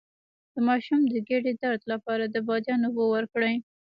د ماشوم د ګیډې درد لپاره د بادیان اوبه ورکړئ